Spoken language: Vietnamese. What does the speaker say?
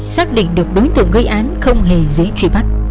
xác định được đối tượng gây án không hề dễ truy bắt